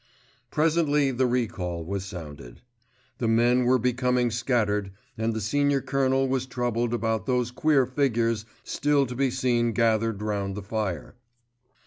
Presently the recall was sounded. The men were becoming scattered and the Senior Colonel was troubled about those queer figures still to be seen gathered round the fire.